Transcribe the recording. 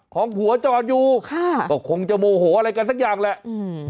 ของผัวจอดอยู่ค่ะก็คงจะโมโหอะไรกันสักอย่างแหละอืม